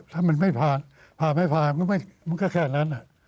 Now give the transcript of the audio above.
ถ้ามันไม่ผ่านผ่านไม่ผ่านมันก็แค่นั้น